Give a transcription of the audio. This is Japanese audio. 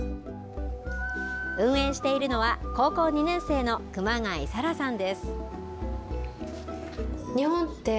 運営しているのは高校２年生の熊谷沙羅さん。